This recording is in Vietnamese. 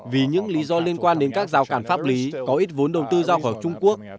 vì những lý do liên quan đến các rào cản pháp lý có ít vốn đầu tư ra khỏi trung quốc